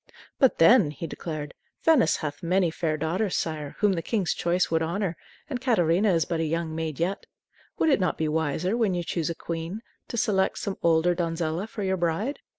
"But then," he declared, "Venice hath many fair daughters, sire, whom the king's choice would honor, and Catarina is but a young maid yet. Would it not be wiser, when you choose a queen, to select some older donzella for your bride?